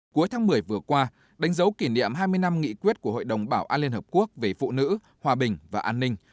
cuối tháng một mươi vừa qua đánh dấu kỷ niệm hai mươi năm nghị quyết của hội đồng bảo an liên hợp quốc về phụ nữ hòa bình và an ninh